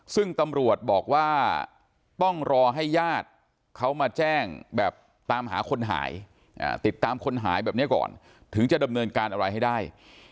ซึ่งตำรวจบอกว่าต้องรอให้ญาติเขามาแจ้งแบบตามหาคนหายติดตามคนหายแบบนี้ก่อนถึงจะดำเนินการอะไรให้ได้